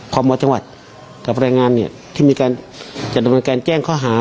พรหมวดจังหวัดกับแรงงานเนี้ยที่มีการจัดบันการแจ้งข้อหา